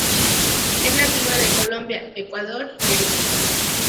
Es nativa de Colombia, Ecuador y Perú.